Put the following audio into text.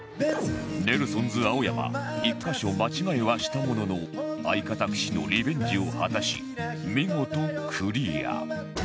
ネルソンズ青山１カ所間違えはしたものの相方岸のリベンジを果たし見事クリア